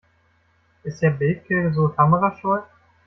Ist Herr Bethke so kamerascheu?